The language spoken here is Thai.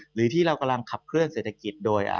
หรือที่เรากำลังขับเคลื่อเศรษฐกิจโดย